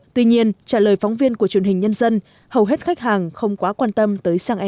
tuy nhiên trả lời phóng viên của truyền hình nhân dân hầu hết khách hàng không quá quan tâm tới xăng e năm